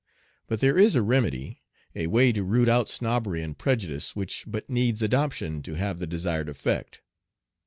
But there is a remedy, a way to root out snobbery and prejudice which but needs adoption to have the desired effect.